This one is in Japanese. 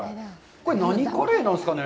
これ、何カレーなんですかね。